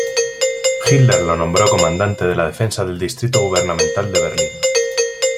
Hitler lo nombró comandante de la defensa del Distrito Gubernamental de Berlín.